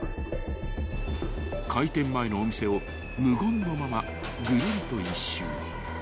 ［開店前のお店を無言のままぐるりと１周］